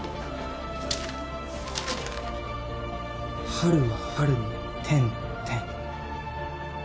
「春は春に天・天」